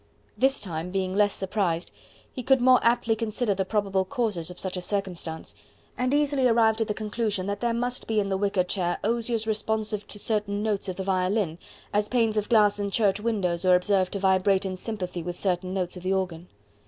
This time, being less surprised, he could more aptly consider the probable causes of such a circumstance, and easily arrived at the conclusion that there must be in the wicker chair osiers responsive to certain notes of the violin, as panes of glass in church windows are observed to vibrate in sympathy with certain tones of the organ.